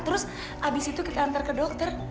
terus abis itu kita antar ke dokter